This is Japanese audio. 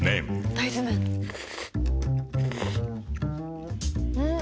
大豆麺ん？